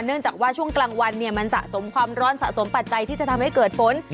เนื่องจากว่าช่วงกลางวันเนี่ยมันสะสมความร้อนสะสมปัจจัยที่จะทำให้เกิดฝน